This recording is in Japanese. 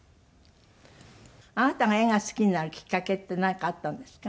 あなたが絵が好きになるきっかけって何かあったんですか？